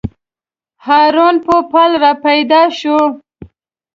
هارون پوپل راپیدا شو.